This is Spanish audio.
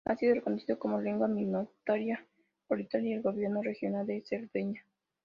Ha sido reconocido como lengua minoritaria por Italia y el gobierno regional de Cerdeña.